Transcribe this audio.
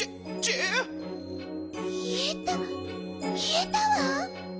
いえたいえたわ！